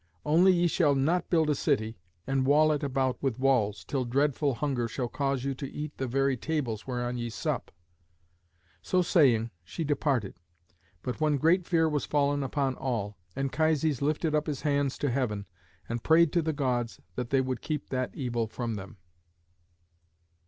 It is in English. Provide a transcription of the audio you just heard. Only ye shall not build a city, and wall it about with walls, till dreadful hunger shall cause you to eat the very tables whereon ye sup." So saying, she departed. But when great fear was fallen upon all, Anchises lifted up his hands to heaven and prayed to the Gods that they would keep that evil from them.